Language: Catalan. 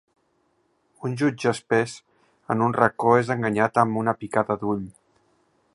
Un jutge espès en un racó és enganyat amb una picada d'ull.